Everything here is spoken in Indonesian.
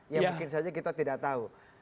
ya mungkin saja kita tidak tahu